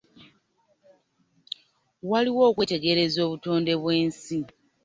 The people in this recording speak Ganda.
Waliwo okwetegereza obutonde bwe nsi.